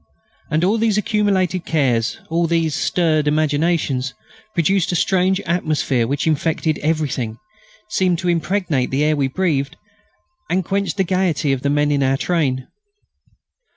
And all these accumulated cares, all these stirred imaginations, produced a strange atmosphere which infected everything, seemed to impregnate the air we breathed, and quenched the gaiety of the men in our train.